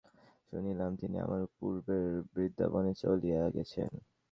নীলুদাদার সন্ধান লইতে গিয়া শুনিলাম, তিনি আমারে পূর্বেই বৃন্দাবনে চলিয়া গেছেন।